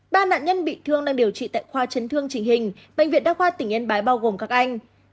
ba nạn nhân bị thương đang điều trị tại khoa chấn thương trình hình bệnh viện đa khoa tỉnh yên bái bao gồm các anh